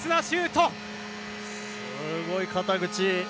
すごい肩口。